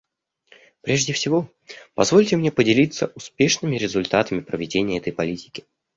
Прежде всего позвольте мне поделиться успешными результатами проведения этой политики.